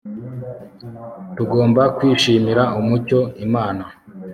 Tugomba kwishimira umucyo Imana